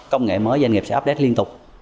công nghệ mới doanh nghiệp sẽ update liên tục